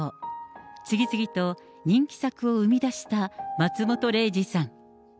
次々と人気作を生み出した松本零士さん。